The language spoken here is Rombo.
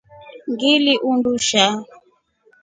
Ngili undusha.